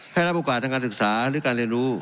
ให้รับโอกาสทางการศึกษาหรือการเรียนรู้